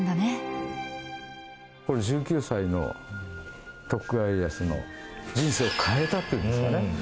これ１９歳の徳川家康の人生を変えたっていうんですかね。